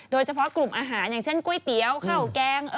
โดยเฉพาะกลุ่มอาหารอย่างเช่นก๋วยเตี๋ยวข้าวแกง